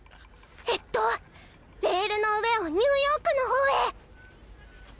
えっとレールの上をニューヨークのほうへ。